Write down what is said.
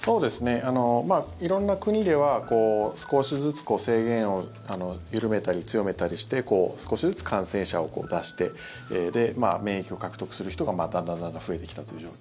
色んな国では少しずつ制限を緩めたり強めたりして少しずつ感染者を出してで、免疫を獲得する人がだんだん、だんだん増えてきたという状況。